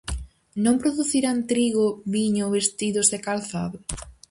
Non producirán trigo, viño, vestidos e calzado?